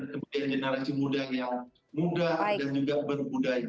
kemudian generasi muda yang muda dan juga berbudaya